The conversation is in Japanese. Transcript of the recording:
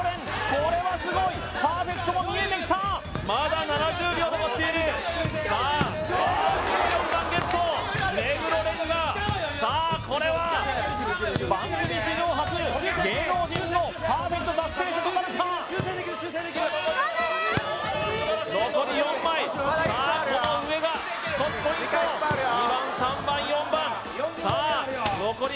これはすごいパーフェクトも見えてきたまだ７０秒残っているさあ１４番ゲット目黒蓮がさあこれは番組史上初芸能人のパーフェクト達成者となるか残り４枚さあこの上がひとつポイント２番３番４番さあ残り